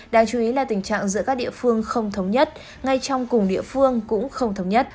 đáng chú ý là tình trạng giữa các địa phương không thống nhất ngay trong cùng địa phương cũng không thống nhất